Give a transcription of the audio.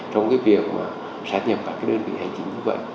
trong cái việc mà sát nhập các cái đơn vị hành chính như vậy